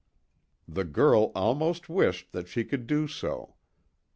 The girl almost wished that she could do so.